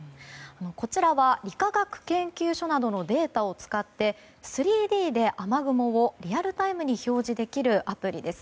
こちらは理化学研究所などのデータを使って３Ｄで雨雲をリアルタイムに表示できるアプリです。